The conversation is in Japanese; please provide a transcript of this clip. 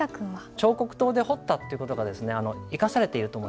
彫刻刀で彫ったという事が生かされていると思いますね。